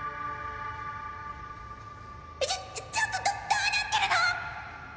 ちょちょっとどどうなってるの！？